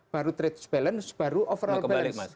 baru trade balance baru overall balance